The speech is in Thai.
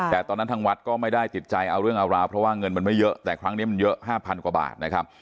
แต่ตอนนั้นทางวัดก็ไม่ได้ติดใจเอาเรื่องเอาราวเพราะว่าเงินมันไม่เยอะแต่ครั้งนี้มันเยอะ๕๐๐กว่าบาทนะครับ